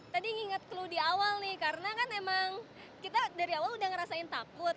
tadi nginget clue di awal nih karena kan emang kita dari awal udah ngerasain takut